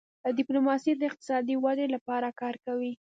ډيپلوماسي د اقتصادي ودې لپاره کار کوي.